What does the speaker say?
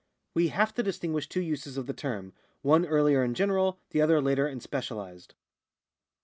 We have to distinguish two uses of the term, one earlier and general, the other later and specialised.